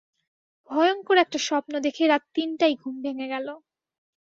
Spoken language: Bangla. ভয়ংকর একটা স্বপ্ন দেখে রাত তিনটায় ঘুম ভেঙে গেল।